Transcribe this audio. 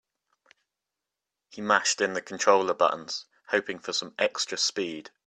He mashed in the controller buttons, hoping for some extra speed.